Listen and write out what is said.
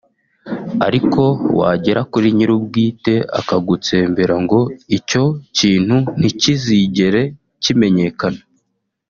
ariko wagera kuri nyirubwite akagutsembera ngo icyo kintu ntikizigere kimenyekana